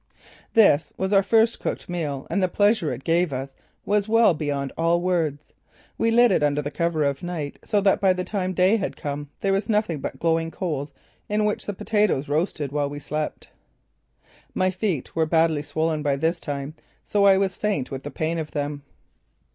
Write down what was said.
This was our first cooked meal and the pleasure it gave us was beyond all words. We lit it under cover of night so that by the time day had come there was nothing but glowing coals in which the potatoes roasted while we slept. My feet were badly swollen by this time so that I was faint with the pain of them.